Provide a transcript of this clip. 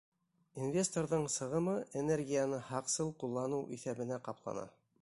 Инвесторҙың сығымы энергияны һаҡсыл ҡулланыу иҫәбенә ҡаплана.